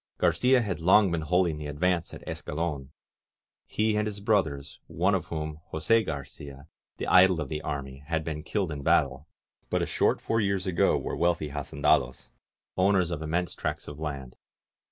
Gar cia had long been holding the advance at Escalon. He and his brothers — one of whom, Jos6 Garcia, the idol 178 THE ARMY AT YERMO of the army, had been killed in battle — hvi a short four years ago were wealthy hacendados^ owners of im mense tracts of land.